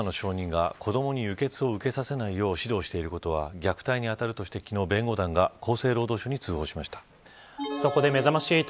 宗教団体エホバの証人が子どもに輸血を受けさせないよう指導していることは虐待に当たるとして昨日弁護団が厚生労働省に通報しました。